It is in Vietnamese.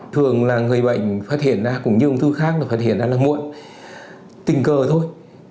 thường là người bệnh phát hiện ra cũng như ung thư khác được phát hiện ra là muộn tình cờ thôi